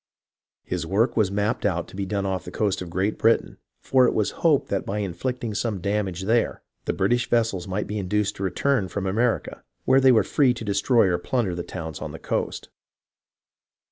His work was mapped out to be done off the coast of Great Britain, for it was hoped that by inflicting some damage there the British vessels might be induced to return from America, where they were free to destroy or plunder the towns on the coast.